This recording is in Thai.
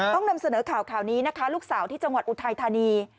ต้องนำเสนอข่าวข่าวนี้นะคะลูกสาวที่จังหวัดอุทัยธานี